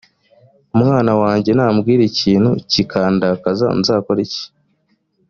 umwana wanjye nambwira ikintu kikandakaza nzakora iki